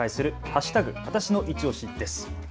わたしのいちオシです。